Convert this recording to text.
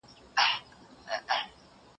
زه سیر کړی دی.